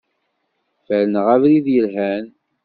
Ferneɣ abrid yelhan.